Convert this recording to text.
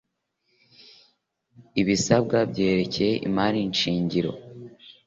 ibisabwa byerekeye imari shingiro